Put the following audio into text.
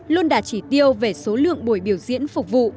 luôn đạt chỉ tiêu về số lượng buổi biểu diễn phục vụ